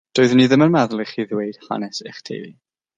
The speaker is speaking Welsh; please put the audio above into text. Doeddwn i ddim yn meddwl i chi ddeud hanes eich teulu.